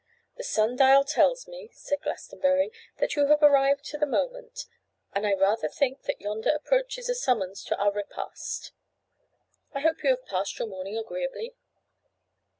'The sun dial tells me,' said Glastonbury, 'that you have arrived to the moment; and I rather think that yonder approaches a summons to our repast. I hope you have passed your morning agreeably?